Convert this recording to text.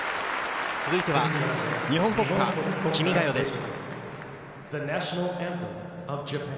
続いては日本国歌、『君が代』です。